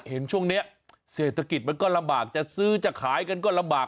เห็นช่วงนี้เศรษฐกิจมันก็ลำบากจะซื้อจะขายกันก็ลำบาก